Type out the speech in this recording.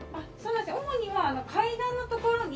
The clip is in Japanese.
主には階段の所に。